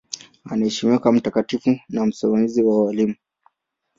Anaheshimiwa kama mtakatifu na msimamizi wa walimu.